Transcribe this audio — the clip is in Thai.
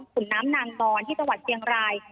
สุนน้ำนางบอนที่ตะวัดเจียงราย